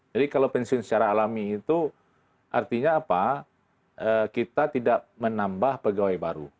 jadi kalau pensiun secara alami itu artinya apa kita tidak menambah pegawai baru